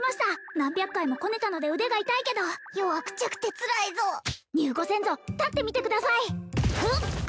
何百回もこねたので腕が痛いけど余はクチャくてつらいぞニューご先祖立ってみてくださいふっ！